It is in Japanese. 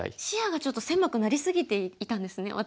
視野がちょっと狭くなり過ぎていたんですね